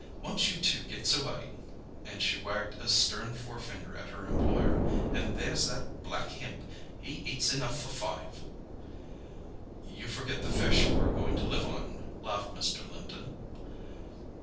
Once you two gets away—" and she wagged a stern forefinger at her employer. "And there's that black himp—he eats enough for five!" "You forget the fish we're going to live on," laughed Mr. Linton.